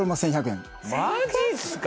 マジっすか？